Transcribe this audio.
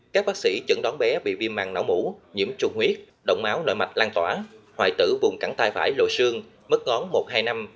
các bác sĩ chứng đón bé bị viêm màng não mũ nhiễm trùng huyết động máu nội mạch lan tỏa hoại tử vùng cẳng tay phải lộ xương mất ngón một hai năm